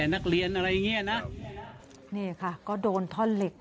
นี่ค่ะก็โดนท่อนเหล็ก